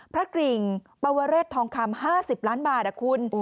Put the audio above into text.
กริ่งปวเรศทองคำ๕๐ล้านบาทคุณ